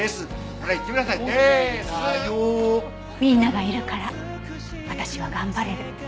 みんながいるから私は頑張れる。